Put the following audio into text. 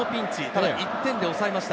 ただ１点で抑えました。